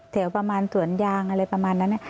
แถวประมาณสวนยางอะไรประมาณนั้น